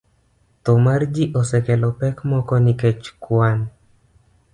Tho mar ji osekelo pek moko nikech kwan